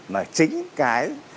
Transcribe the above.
mà chính cái